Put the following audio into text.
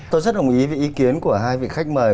tôi rất đồng ý với ý kiến của hai vị khách mời